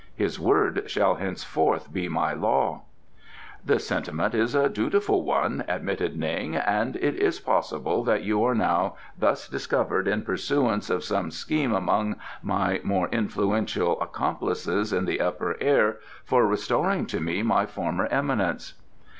His word shall henceforth be my law." "The sentiment is a dutiful one," admitted Ning, "and it is possible that you are now thus discovered in pursuance of some scheme among my more influential accomplices in the Upper Air for restoring to me my former eminence."